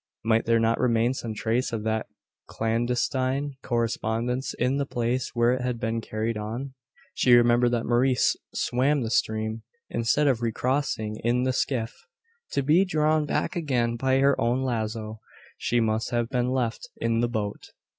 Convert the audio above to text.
Might there not remain some trace of that clandestine correspondence in the place where it had been carried on? She remembered that Maurice swam the stream, instead of recrossing in the skiff, to be drawn back again by her own lazo. He must have been left in the boat!